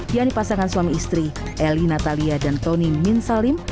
yang dipasangkan suami istri eli natalia dan tony minsalim